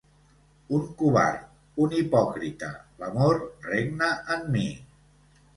Un covard, un hipòcrita, l'amor regna en mi.